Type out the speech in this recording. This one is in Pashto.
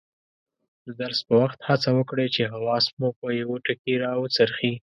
د درس په وخت هڅه وکړئ چې حواس مو په یوه ټکي راوڅرخي.